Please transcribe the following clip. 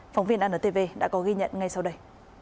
phóng viên antv đã có ghi nhận ngay sau đây